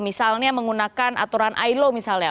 misalnya menggunakan aturan ilo misalnya